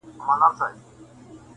• دا ځالۍ ده دبازانو -